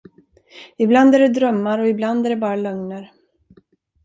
Ibland är det drömmar och ibland är det bara lögner.